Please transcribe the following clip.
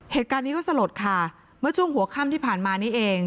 เหตุการณ์นี้ก็สลดค่ะเมื่อช่วงหัวค่ำที่ผ่านมานี้เอง